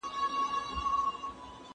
نیمه شپه کې لمر راوخوت په ایوان کې